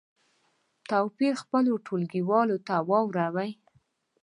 توپیر په خپلو ټولګیوالو ته واوروئ.